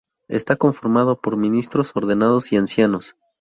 Está conformado por Ministros ordenados y Ancianos.